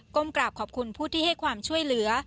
กราบขอบคุณผู้ที่ให้ความช่วยเหลือ